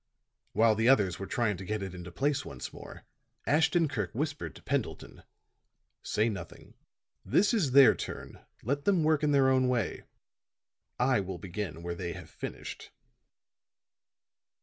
While the others were trying to get it into place once more, Ashton Kirk whispered to Pendleton: "Say nothing. This is their turn; let them work in their own way. I will begin where they have finished."